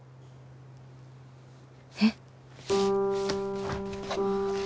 えっ！？